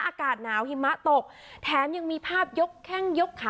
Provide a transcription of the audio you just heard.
อากาศหนาวหิมะตกแถมยังมีภาพยกแข้งยกขา